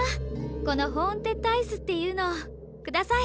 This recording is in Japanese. この「ホーンテッドアイス」っていうのください！